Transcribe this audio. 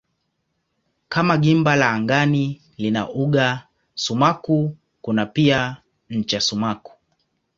Kama gimba la angani lina uga sumaku kuna pia ncha sumaku.